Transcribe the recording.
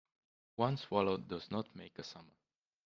One swallow does not make a summer.